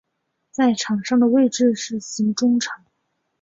在场上的位置是型中场。